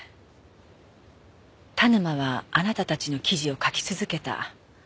田沼はあなたたちの記事を書き続けた。